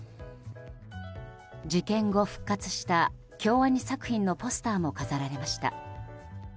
事件後、復活した京アニ作品のポスターも飾られました。